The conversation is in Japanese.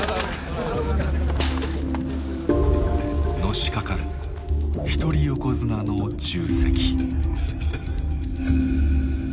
のしかかる一人横綱の重責。